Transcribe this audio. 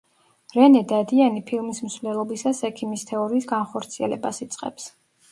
რენე დადიანი ფილმის მსვლელობისას ექიმის თეორიის განხორციელებას იწყებს.